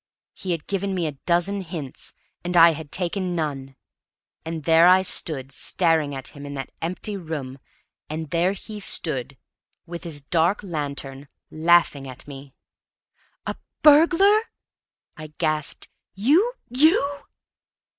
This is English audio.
He had given me a dozen hints, and I had taken none. And there I stood staring at him, in that empty room; and there he stood with his dark lantern, laughing at me. "A burglar!" I gasped. "You you!"